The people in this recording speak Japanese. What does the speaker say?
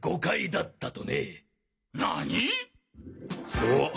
そう。